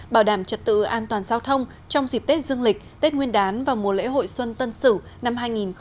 bảo đảm trật tự an toàn giao thông trong dịp tết dương lịch tết nguyên đán và mùa lễ hội xuân tân sửu năm hai nghìn hai mươi một